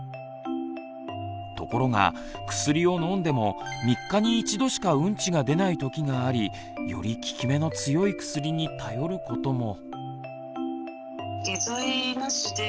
ところが薬を飲んでも３日に一度しかウンチが出ない時がありより効き目の強い薬に頼ることも。